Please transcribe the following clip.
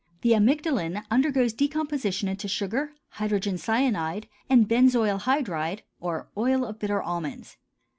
The amygdalin undergoes decomposition into sugar, hydrogen cyanide, and benzoyl hydride or oil of bitter almonds.